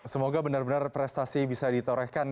semoga benar benar prestasi bisa ditorehkan